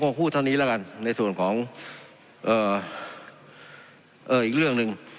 ผมคงพูดเท่านี้แล้วกันในส่วนของเอ่อเอออีกเรื่องหนึ่ง